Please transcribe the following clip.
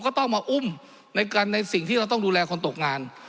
ก็ต้องมาอุ้มในสิ่งที่เราต้องดูแลคนตกงาน